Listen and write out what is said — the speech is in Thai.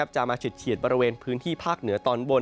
จะมาเฉียดบริเวณพื้นที่ภาคเหนือตอนบน